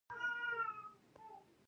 زه د هر انسان قدر کوم.